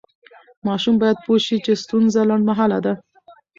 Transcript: ماشوم باید پوه شي چې ستونزه لنډمهاله ده.